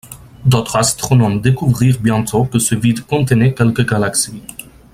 D'autres astronomes découvrirent bientôt que ce vide contenait quelques galaxies.